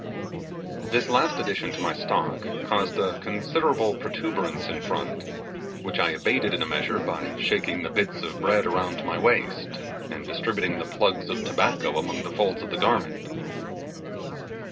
This last addition to my stock caused a considerable protuberance in front, which I abated in a measure by shaking the bits of bread around my waist, and distributing the plugs of tobacco among the folds of the garment.